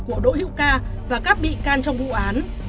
của đỗ hữu ca và các bị can trong vụ án